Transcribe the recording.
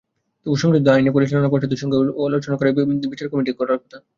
তবে সংশোধিত আইনে পরিচালনা পর্ষদের সঙ্গে আলোচনা করেই বাছাই কমিটি করার কথা।